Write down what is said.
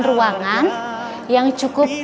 ruangan yang cukup